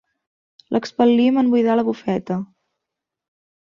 L'expel·lim en buidar la bufeta.